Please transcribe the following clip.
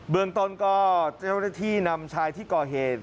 เบื้องตรนก็เท่าในที่นำชายที่ก่อเหตุ